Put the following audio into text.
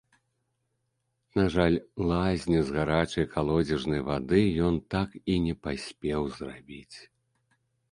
На жаль, лазню з гарачай калодзежнай вады ён так і не паспеў зрабіць.